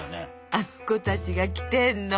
あの子たちが来てんの。